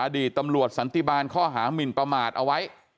อดีตตำรวจสันติบาลข้อหามินประมาทเอาไว้